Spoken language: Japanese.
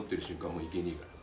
もう行けねえから。